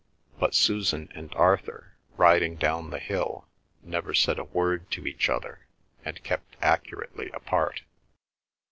But Susan and Arthur, riding down the hill, never said a word to each other, and kept accurately apart.